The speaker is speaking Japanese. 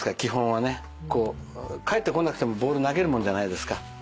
返ってこなくてもボール投げるもんじゃないですか。